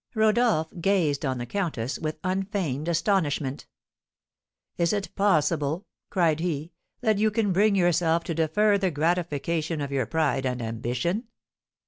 Rodolph gazed on the countess with unfeigned astonishment. "Is it possible," cried he, "that you can bring yourself to defer the gratification of your pride and ambition?"